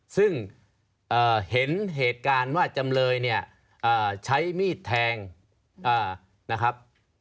ซึ่งเห็นเหตุการณ์ว่าจำเลยเนี่ยใช้มีดแทงนะครับ